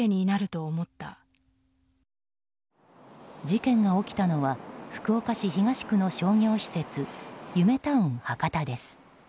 事件が起きたのは福岡市東区の商業施設ゆめタウン博多です。